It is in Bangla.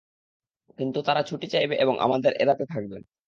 কিন্তু তারা ছুটি চাইবে এবং আমাদের এড়াতে থাকবে!